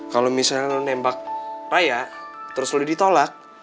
kalau misalnya lo nembak raya terus lo ditolak